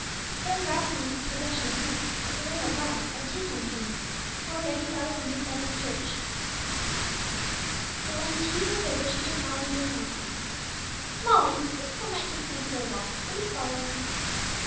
So engrossing was the possession of Prince that the day went by, and tea time came, before Betty thought of her new friend in the church. But when tea was over she took Molly into her confidence. 'Molly, do you think I might take Prince for a walk? would he follow me?'